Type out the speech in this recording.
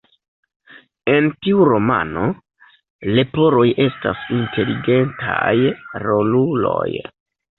En tiu romano, leporoj estas inteligentaj roluloj.